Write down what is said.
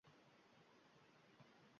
Qizlarim hali kichkina.